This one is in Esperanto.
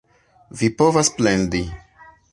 Vi povas plendi!